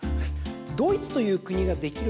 ドイツという国が出来る